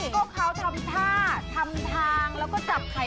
ก็เขาทำท่าทำทางแล้วก็จับไข่